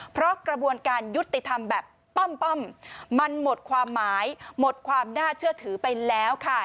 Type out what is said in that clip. เพราะกระบวนการยุติธรรมแบบป้อมมันหมดความหมายหมดความน่าเชื่อถือไปแล้วค่ะ